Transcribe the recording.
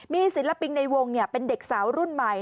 มีศิลปินในวงเป็นเด็กสาวรุ่นใหม่